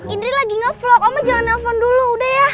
indri lagi ngevlog oma jangan telepon dulu udah ya